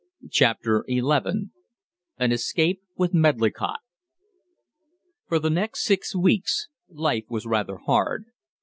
] CHAPTER XI AN ESCAPE WITH MEDLICOTT For the next six weeks life was rather hard.